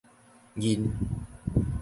認